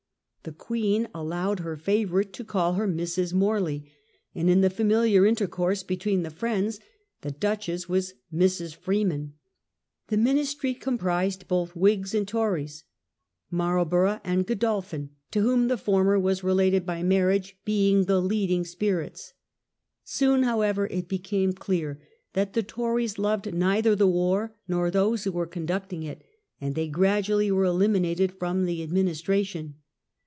The queen allowed her favourite to call her " Mrs. Morley ", and, in the familiar intercourse between the friends, the duchess was " Mrs. Freeman*'. The ministry comprised both Whigs and Tories; Marlborough and Godolphin, to whom the former was related by marriage, being the leading spirits. Soon, however, it became clear that the Tories loved neither the war nor those who were conducting it, and they gradually were eliminated from the administration.